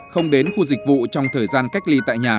không đến khu dịch vụ trong thời gian cách ly tại nhà